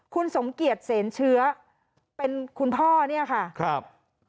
คุณสมเกียจเสนเชื้อเป็นคุณพ่อเนี่ยค่ะครับ